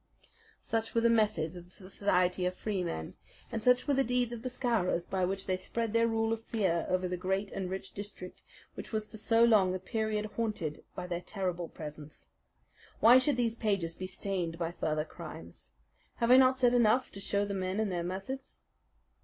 Such were the methods of the Society of Freemen, and such were the deeds of the Scowrers by which they spread their rule of fear over the great and rich district which was for so long a period haunted by their terrible presence. Why should these pages be stained by further crimes? Have I not said enough to show the men and their methods?